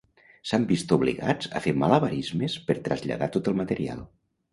s'han vist obligats a fer malabarismes per traslladar tot el material